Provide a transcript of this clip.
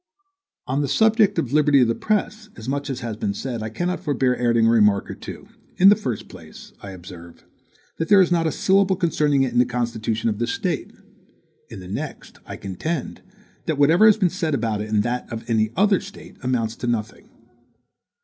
On the subject of the liberty of the press, as much as has been said, I cannot forbear adding a remark or two: in the first place, I observe, that there is not a syllable concerning it in the constitution of this State; in the next, I contend, that whatever has been said about it in that of any other State, amounts to nothing.